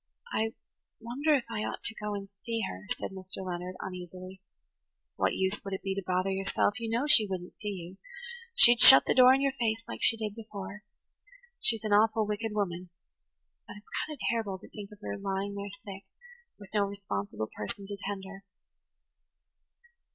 "I wonder if I ought to go and see her," said Mr. Leonard uneasily. "What use would it be to bother yourself? You know she wouldn't see you–she'd shut the door in your face like she did before. She's an awful wicked woman–but it's kind of terrible to think of her lying there sick, with no responsible person to tend her."